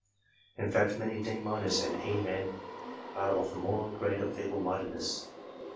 In fact, many "D —" and '^ E" men are of the moron grade of feeble mindedness.